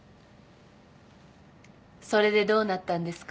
それでどうなったんですか？